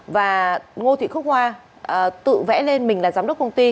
và ngô thị khúc hoa tự vẽ lên mình là giám đốc công ty